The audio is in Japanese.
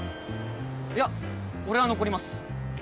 いや俺は残ります。